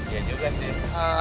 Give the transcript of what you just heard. ya juga sih